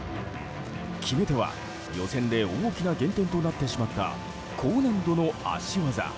決め手は予選で大きな原点となってしまった高難度の脚技。